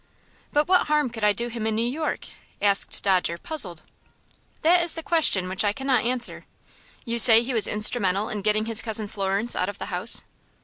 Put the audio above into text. "But what harm could I do him in New York?" asked Dodger, puzzled. "That is the question which I cannot answer. You say he was instrumental in getting his Cousin Florence out of the house?"